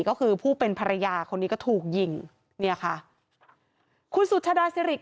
ก็คือผู้เป็นภรรยาคนนี้ก็ถูกยิงเนี่ยค่ะคุณสุชาดาสิริก